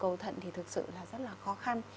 cầu thận thì thực sự là rất là khó khăn